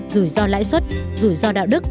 rủi ro lãi suất rủi ro đạo đức